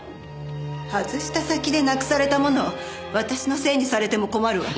外した先でなくされたものを私のせいにされても困るわ。